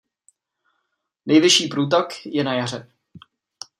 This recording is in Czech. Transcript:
Nejvyšší průtok je na jaře.